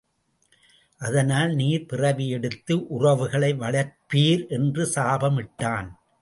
அதனால் நீர் பிறவி எடுத்து உறவுகளை வளர்ப்பீர் என்று சாபம் இட்டான்.